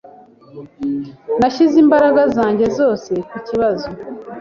Nashyize imbaraga zanjye zose kukibazo.